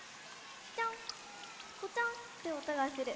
ピチャンポチャンっておとがする。